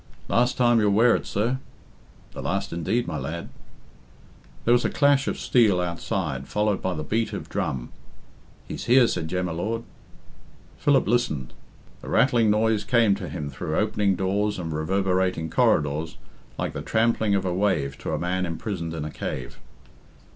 "Last time you'll wear it, sir." "The last, indeed, my lad." There was a clash of steel outside, followed by the beat of drum. "He's here," said Jem y Lord. Philip listened. The rattling noise came to him through opening doors and reverberating corridors like the trampling of a wave to a man imprisoned in a cave.